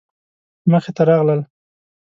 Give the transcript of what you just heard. مخې ته راغلل.